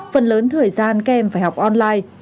phần lớn thời gian kèm phải học